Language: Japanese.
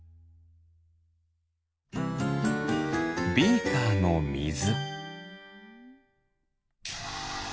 ビーカーのみず。